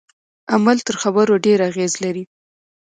عمل تر خبرو ډیر اغیز لري.